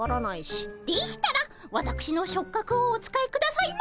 でしたらわたくしの触角をお使いくださいませ。